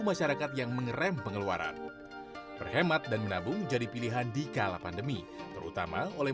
masyarakat yang mengeram pengeluaran berhemat dan menabung jadi pilihan di kala pandemi terutama oleh